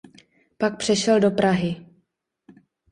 Pak přešel do Prahy.